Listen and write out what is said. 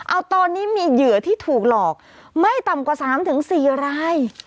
เอาตอนนี้มีเหยื่อที่ถูกหลอกไม่ต่ำกว่า๓๔ราย